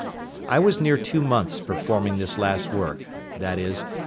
I was near two months performing this last work, viz.